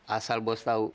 asal bos tau